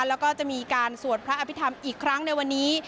แล้วก็จะมีการสวดพระอภิษฐรรมอีกครั้งในวันนี้